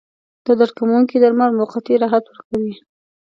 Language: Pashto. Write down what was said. د درد کموونکي درمل موقتي راحت ورکوي.